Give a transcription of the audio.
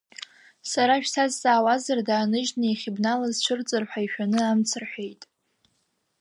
Сара шәсазҵаауазар дааныжьны иахьыбналаз цәырҵыр ҳәа ишәаны амц рҳәеит…